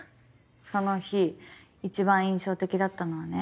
その日一番印象的だったのはね。